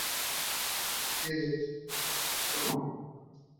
La serie es el spin-off de "Hollyoaks".